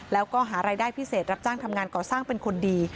แล้วก็หารายได้พิเศษรับจ้างทำงานก่อสร้างเป็นคนดี